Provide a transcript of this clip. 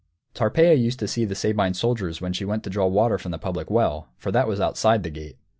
Tarpeia used to see the Sabine soldiers when she went to draw water from the public well, for that was outside the gate.